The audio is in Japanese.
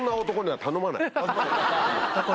はい。